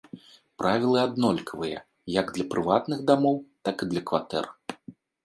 Правілы аднолькавыя, як для прыватных дамоў, так і для кватэр.